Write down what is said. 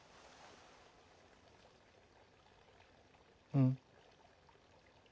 うん。